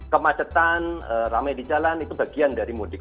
kemacetan ramai di jalan itu bagian dari mudik